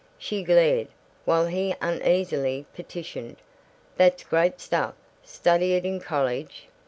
She glared, while he uneasily petitioned, "That's great stuff. Study it in college?